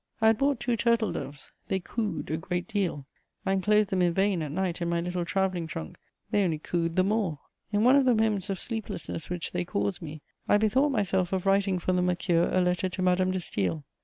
I had bought two turtle doves; they cooed a great deal: I enclosed them in vain at night in my little travelling trunk; they only cooed the more. In one of the moments of sleeplessness which they caused me, I bethought myself of writing for the Mercure a letter to Madame de Staël.